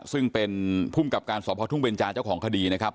ซึ่งเป็นภูมิกับการสพทุ่งเบนจาเจ้าของคดีนะครับ